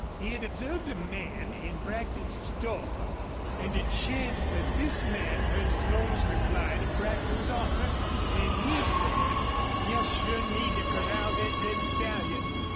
He had observed a man in Brackton's store, and it chanced that this man heard Slone's reply to Brackton's offer, and he said: "You'll sure need to corral thet red stallion.